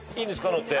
乗って。